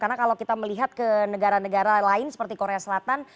karena kalau kita melihat ke negara negara lain seperti korea selatan